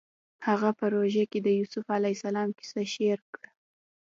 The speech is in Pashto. هغه په روژه کې د یوسف علیه السلام کیسه شعر کړه